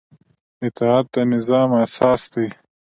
اطاعت د نظام اساس دی